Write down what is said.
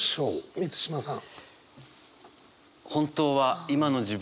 満島さん。